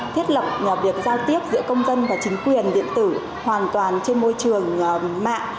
thiết lập việc giao tiếp giữa công dân và chính quyền điện tử hoàn toàn trên môi trường mạng